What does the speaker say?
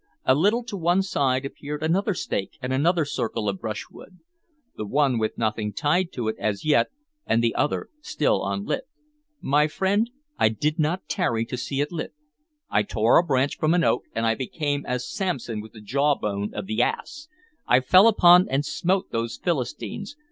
A little to one side appeared another stake and another circle of brushwood: the one with nothing tied to it as yet, and the other still unlit. My friend, I did not tarry to see it lit. I tore a branch from an oak, and I became as Samson with the jaw bone of the ass. I fell upon and smote those Philistines.